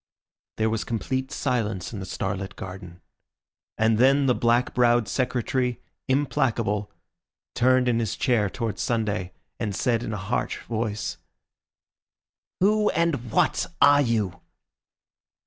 There was complete silence in the starlit garden, and then the black browed Secretary, implacable, turned in his chair towards Sunday, and said in a harsh voice— "Who and what are you?"